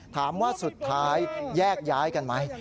ถามว่าสุดท้ายแยกย้ายกันไหม